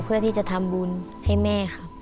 เพื่อที่จะทำบุญให้แม่ครับ